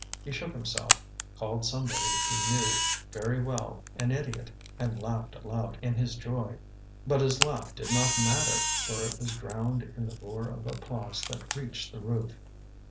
He shook himself, called somebody he knew very well an idiot, and laughed aloud in his joy; but his laugh did not matter, for it was drowned in the roar of applause that reached the roof.